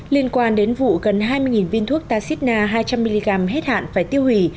liên quan đến vụ gần hai mươi viên thuốc taxina hai trăm linh mg hết hạn phải tiêu hủy